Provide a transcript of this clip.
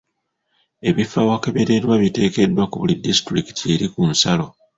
Ebifo awakeberebwa biteekeddwa ku buli disitulikiti eri ku nsalo.